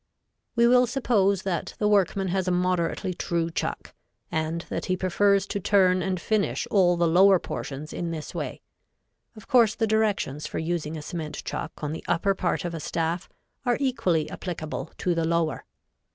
We will suppose that the workman has a moderately true chuck, and that he prefers to turn and finish all the lower portions in this way. Of course the directions for using a cement chuck on the upper part of a staff are equally applicable to the lower.